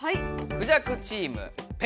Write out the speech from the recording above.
クジャクチーム「ペンギン」。